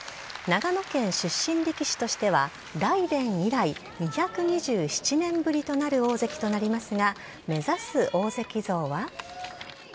長野県出身力士としては雷電以来２２７年ぶりとなる大関となりますが、目指す大関像は。